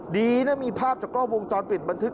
ดีนะมีภาพจากกล้องวงจรปิดบันทึก